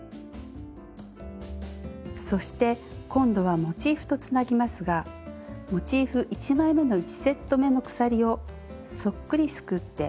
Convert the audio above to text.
そして今度はモチーフとつなぎますがモチーフ１枚めの１セットめの鎖をそっくりすくって細編みでつなげます。